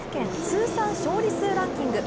通算勝利数ランキング